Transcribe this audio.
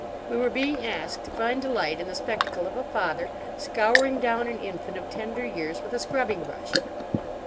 We were being asked to find delight in the spectacle of a father—scouring down an infant of tender years with a scrubbing brush.